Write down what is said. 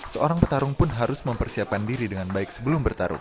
seorang petarung pun harus mempersiapkan diri dengan baik sebelum bertarung